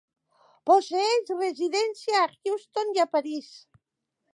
Posseeix residència a Houston i a París.